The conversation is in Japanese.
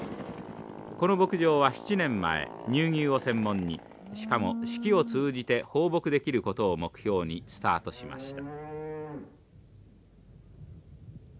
この牧場は７年前乳牛を専門にしかも四季を通じて放牧できることを目標にスタートしました。